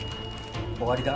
終わりだ。